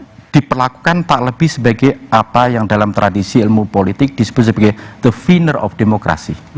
karena demokrasi itu diperlakukan tak lebih sebagai apa yang dalam tradisi ilmu politik disebut sebagai the finner of demokrasi